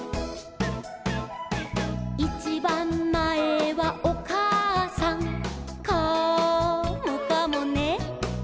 「いちばんまえはおかあさん」「カモかもね」